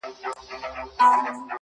ته له قلف دروازې، یو خروار بار باسه.